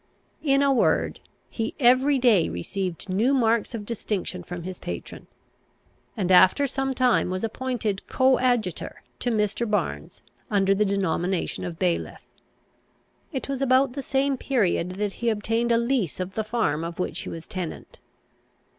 In a word, he every day received new marks of distinction from his patron, and after some time was appointed coadjutor to Mr. Barnes under the denomination of bailiff. It was about the same period that he obtained a lease of the farm of which he was tenant.